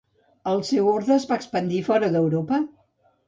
El seu orde es va expandir fora d'Europa?